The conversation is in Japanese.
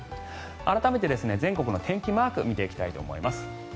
改めて全国の天気マークを見ていきたいと思います。